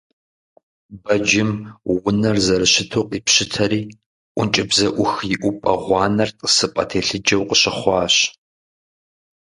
Бэджым унэр зэрыщыту къипщытэри, ӀункӀыбзэӀух иӀупӀэ гъуанэр тӀысыпӀэ телъыджэу къыщыхъуащ.